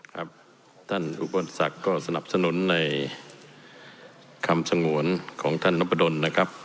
ครับท่านอุปสรรคก็สนับสนุนในคำสงวนของท่านนับประดนนะครับ